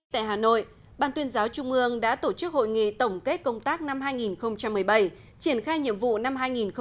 tại hà nội ban tuyên giáo trung ương đã tổ chức hội nghị tổng kết công tác năm hai nghìn một mươi bảy triển khai nhiệm vụ năm hai nghìn một mươi chín